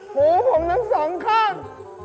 หูผมทั้งสองข้าง